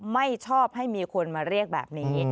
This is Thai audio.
ไม่ชอบให้มีคนมาเรียกแบบนี้